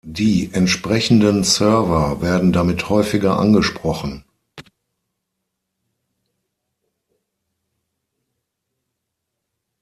Die entsprechenden Server werden damit häufiger angesprochen.